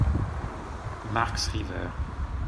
Marks River.